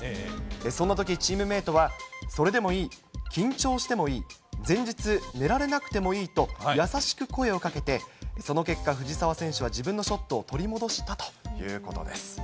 そんなときチームメートは、それでもいい、緊張してもいい、前日、寝られなくてもいいと、優しく声をかけて、その結果、藤澤選手は自分のショットを取り戻したということです。